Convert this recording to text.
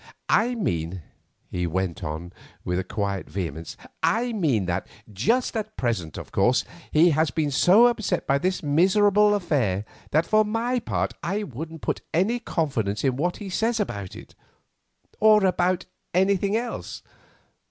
I mean," he went on with quiet vehemence, "I mean that—just at present, of course, he has been so upset by this miserable affair that for my part I wouldn't put any confidence in what he says about it, or about anything else.